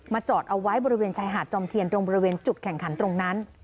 จอดเอาไว้บริเวณชายหาดจอมเทียนตรงบริเวณจุดแข่งขันตรงนั้น